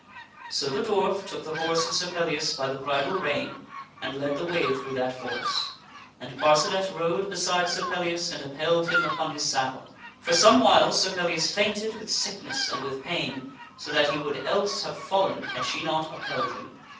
So the dwarf took the horse of Sir Pellias by the bridle rein and led the way through that forest, and Parcenet rode beside Sir Pellias and upheld him upon his saddle. For some whiles Sir Pellias fainted with sickness and with pain so that he would else have fallen had she not upheld him.